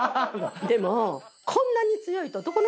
でも。